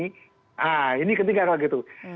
nah ini ketiga kalau gitu